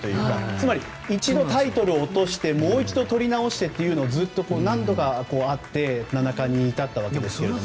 つまり一度、タイトルを落としてもう一度とり直してというのがずっと何度かあって七冠に至ったわけですけど。